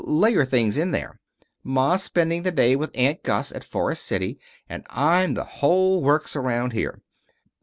Lay your things in there. Ma's spending the day with Aunt Gus at Forest City and I'm the whole works around here.